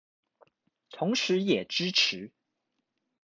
同時也支持